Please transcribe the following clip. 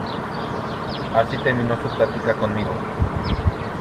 así terminó su plática conmigo.